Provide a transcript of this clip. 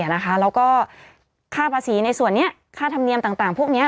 แล้วก็ค่าภาษีในส่วนนี้ค่าธรรมเนียมต่างพวกนี้